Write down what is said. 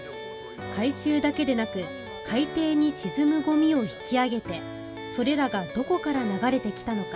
回収だけでなく、海底に沈むゴミを引き揚げて、それらがどこから流れてきたのか。